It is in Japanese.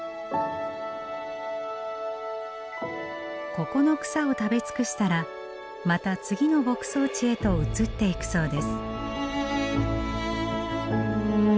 ここの草を食べ尽くしたらまた次の牧草地へと移っていくそうです。